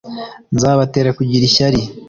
nzabatera kugira ishyari